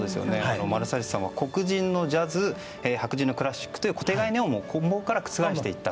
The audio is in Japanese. マルサリスさんは黒人のジャズ白人のクラシックという固定概念を根本から覆していったと。